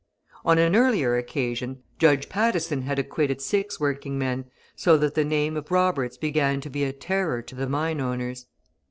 On an earlier occasion, Judge Patteson had acquitted six working men, so that the name Roberts began to be a terror to the mine owners.